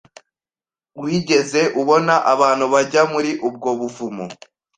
Wigeze ubona abantu bajya muri ubwo buvumo?